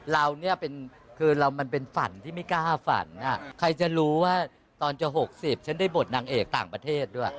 เราเนี่ยคือเรามันเป็นฝันที่ไม่กล้าฝันใครจะรู้ว่าตอนจะ๖๐ฉันได้บทนางเอกต่างประเทศด้วย